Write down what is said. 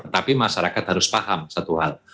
tapi masyarakat harus paham satu hal